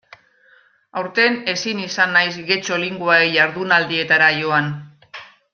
Aurten ezin izan naiz Getxo Linguae jardunaldietara joan.